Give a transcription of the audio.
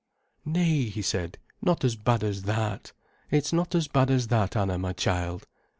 "Nay," he said, "not as bad as that. It's not as bad as that, Anna, my child.